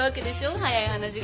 早い話が。